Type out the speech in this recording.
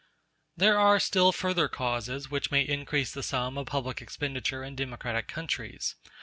There are still further causes which may increase the sum of public expenditure in democratic countries.